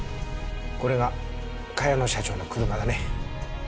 これが茅野社長の車だね。